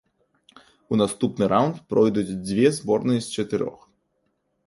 У наступны раўнд пройдуць дзве зборныя з чатырох.